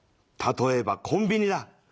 例えばコンビニだ。